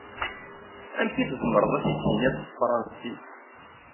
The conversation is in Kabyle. Amek i tzemreḍ ad t-id-tiniḍ s tefṛansist?